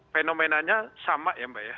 fenomenanya sama ya mbak ya